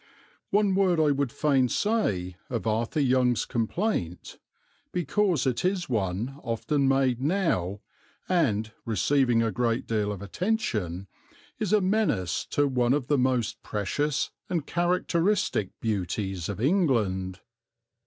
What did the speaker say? One word I would fain say of Arthur Young's complaint, because it is one often made now and, receiving a great deal of attention, is a menace to one of the most precious and characteristic beauties of England.